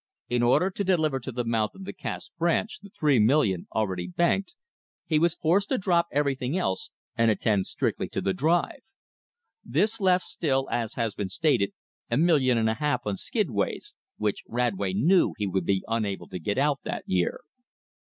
In order to deliver to the mouth of the Cass Branch the three million already banked, he was forced to drop everything else and attend strictly to the drive. This left still, as has been stated, a million and a half on skidways, which Radway knew he would be unable to get out that year.